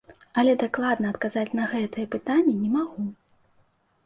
Але дакладна адказаць на гэтае пытанне не магу.